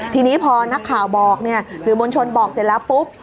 ทีนี้พอนักข่าวบอกเนี่ยสื่อมวลชนบอกเสร็จแล้วปุ๊บ